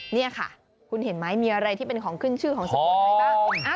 นี่ค่ะคุณเห็นไหมมีอะไรที่เป็นของขึ้นชื่อของสุโขทัยบ้าง